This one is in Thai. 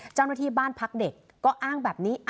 เจ้าหน้าที่บ้านพักเด็กก็อ้างแบบนี้